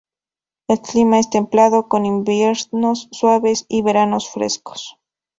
El clima es templado, con inviernos suaves y veranos frescos.